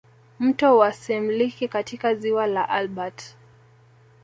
Mto wa semliki katika ziwa la Albert